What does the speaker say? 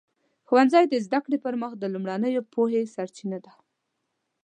ښوونځی د زده کړې پر مخ د لومړنیو پوهې سرچینه ده.